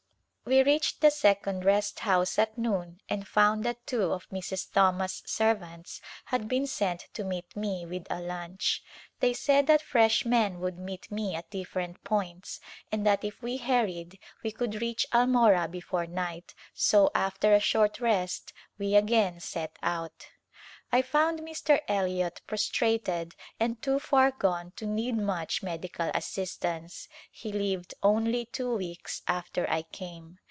We reached the second rest house at noon and found that two of Mrs. Thomas' servants had been sent to meet me with a lunch. They said that fresh men would meet me at different points and that if we hurried we could reach Almora before night, so after a short rest we again set out. I found Mr. Elliot prostrated and too far gone to need much medical assistance. He lived only two weeks after I came.